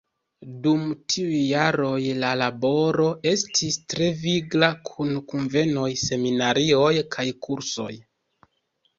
Dum tiuj jaroj la laboro estis tre vigla kun kunvenoj, seminarioj kaj kursoj.